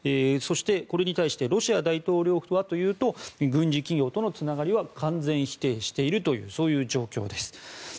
そして、これに対してロシア大統領府はというと軍事企業とのつながりは完全否定しているというそういう状況です。